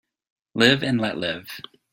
Live and let live.